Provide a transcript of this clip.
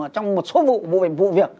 trong một số vụ